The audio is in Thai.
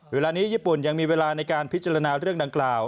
เวลานี้ญี่ปุ่นยังมีเวลาในการพิจารณาเรื่องดังกล่าว